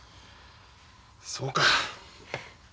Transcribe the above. そうか。